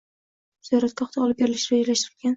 Ziyoratgohda olib borilishi rejalashtirilgan.